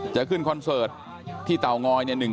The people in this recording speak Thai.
จะขึ้นคอนเสิร์ตที่เต่าง้อยทริป๑กันยายน